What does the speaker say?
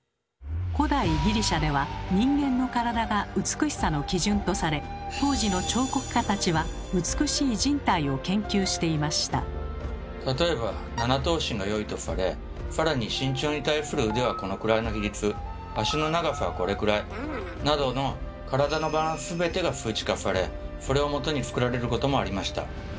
古代ギリシャでは人間の体が美しさの基準とされ例えば７頭身がよいとされさらに身長に対する腕はこのくらいの比率足の長さはこれくらいなどの体のバランス全てが数値化されそれをもとに作られることもありました。